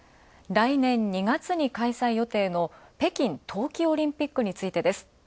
来年２月に開催予定の北京冬季オリンピックについてです。